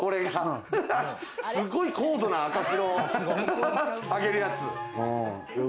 すごい高度な赤白上げるやつ。